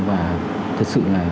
và thật sự là